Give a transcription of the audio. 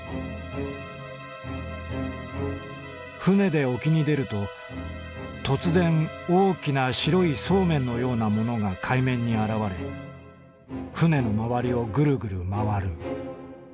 「舟で沖に出ると突然大きな白い素麺のようなものが海面に現れ舟のまわりをグルグルまわる。